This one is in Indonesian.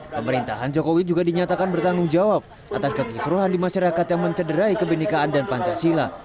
pemerintahan jokowi juga dinyatakan bertanggung jawab atas kekisruhan di masyarakat yang mencederai kebenikaan dan pancasila